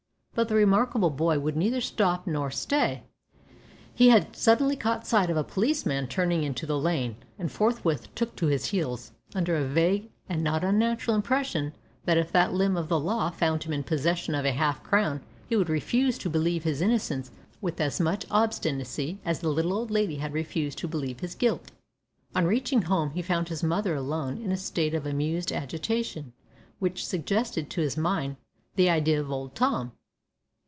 But the "remarkable boy" would neither stop nor stay. He had suddenly caught sight of a policeman turning into the lane, and forthwith took to his heels, under a vague and not unnatural impression that if that limb of the law found him in possession of a half crown he would refuse to believe his innocence with as much obstinacy as the little old lady had refused to believe his guilt. On reaching home he found his mother alone in a state of amused agitation which suggested to his mind the idea of Old Tom.